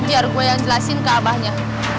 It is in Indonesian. biar gue yang jelasin ke abahnya